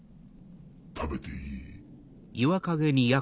食べていい？